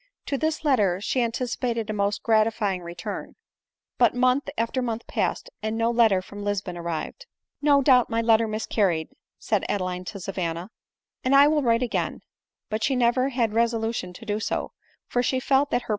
To this letter she anticipated a most gratifying return ; but month after month passed away, and no letter from Lisbon arrived. " No doubt my letter miscarried," said Adeline to Savan na, " and I will write again ;" but she never had resolution to do so ; for she felt that her.